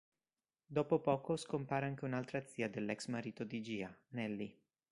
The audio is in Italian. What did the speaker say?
Dopo poco scompare anche un'altra zia dell'ex marito di Gia, Nellie.